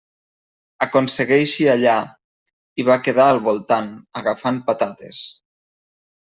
Aconsegueixi allà, i va quedar al voltant, agafant patates.